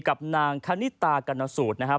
กับนางคณิตากรณสูตรนะครับ